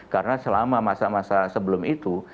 karena selama masa masa sebelum itu